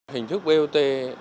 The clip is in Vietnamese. hình thức bot